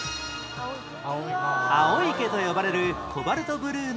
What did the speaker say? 青池と呼ばれるコバルトブルーの池